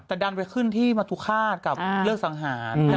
แต่ดันไปขึ้นที่มัธุฆาตกับเรื่องสังหาร